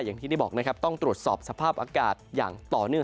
อย่างที่ได้บอกนะครับต้องตรวจสอบสภาพอากาศอย่างต่อเนื่อง